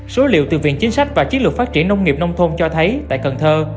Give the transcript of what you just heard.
số liệu từ viện chính sách và chiến lược phát triển nông nghiệp nông thôn cho thấy tại cần thơ